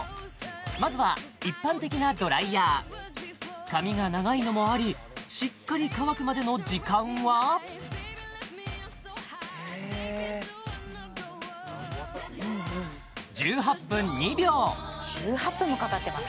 まずは一般的なドライヤー髪が長いのもありしっかり乾くまでの時間は１８分もかかってます